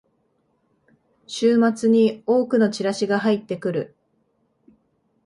週末に多くのチラシが入ってくる